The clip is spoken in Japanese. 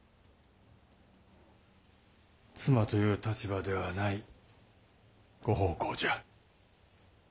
妻という立場ではないご奉公じゃ。